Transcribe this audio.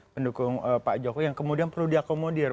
pendukung pak jokowi yang kemudian perlu diakomodir